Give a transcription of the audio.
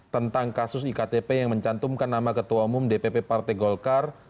tentang kasus iktp yang mencantumkan nama ketua umum dpp partai golkar